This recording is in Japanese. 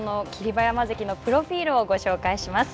馬山関のプロフィールをご紹介します。